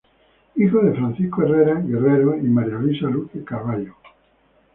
Hijo de Francisco Herrera Guerrero y María Luisa Luque Carvallo.